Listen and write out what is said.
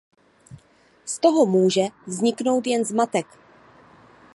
Z toho může vzniknout jen zmatek.